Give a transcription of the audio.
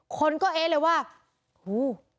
คนก็เอ๊ะเลยว่าหู